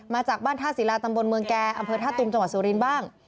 มาจากบ้านท่าศิลาตำบลเมืองแก่อำเภอท่าตุมจังหวัดสุรินทร์บ้าง